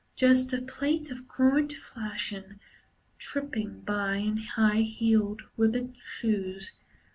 Just a plate of current fashion, Tripping by in high heeled, ribboned shoes.